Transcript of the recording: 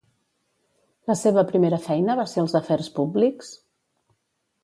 La seva primera feina va ser als afers públics?